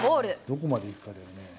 どこまでいくかだよね。